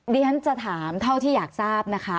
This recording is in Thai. เรียนจะถามเท่าที่อยากทราบนะคะ